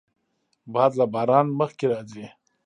باد له باران مخکې راځي